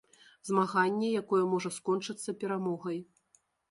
Змаганне, якое можа скончыцца перамогай!